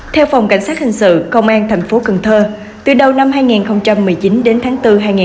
theo phòng cảnh sát hình sự công an thành phố cần thơ từ đầu năm hai nghìn một mươi chín đến tháng bốn hai nghìn hai mươi